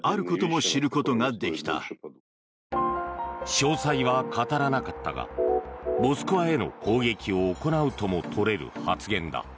詳細は語らなかったがモスクワへの攻撃を行うとも取れる発言だ。